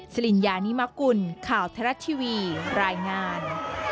จริญญานิมกุลข่าวเทราะทีวีรายงาน